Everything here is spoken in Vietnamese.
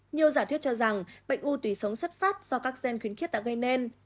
nhiều giả thuyết cho rằng bệnh u tùy sống xuất phát do các gen khuyến khiết đã gây nên